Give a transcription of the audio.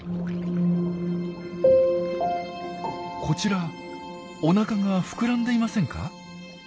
こちらおなかが膨らんでいませんか？